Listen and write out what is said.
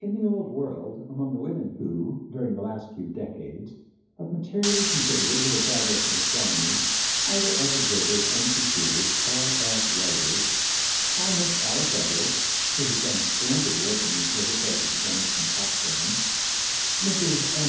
In the Old World among the women who, during the last few decades, have materially contributed to the progress of astronomy, either as observers and computers or as writers, are Miss Alice Everett, who has done splendid work in the observatories of Greenwich and Potsdam, Misses M.